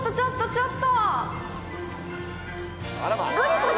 ちょっと！